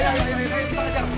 eh kamu mahasiswa lagi kabur